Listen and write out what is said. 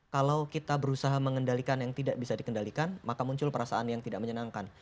kalau kita berusaha mengendalikan yang tidak bisa dikendalikan maka muncul perasaan yang tidak menyenangkan